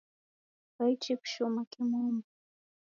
Kwaichi kushoma kimombo?